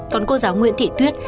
còn cô giáo nguyễn thị tuyết